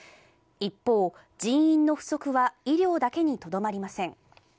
一方、人員の不足は医療だけに留まりません。